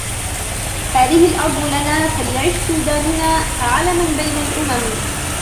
هذه الأرض لنا فليعش سوداننا علماً بين الأمم